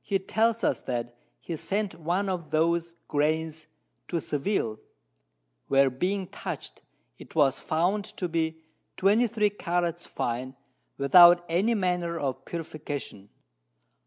He tells us that he sent one of those Grains to Seville, where being touch'd, it was found to be 23 Carats fine, without any manner of Purification.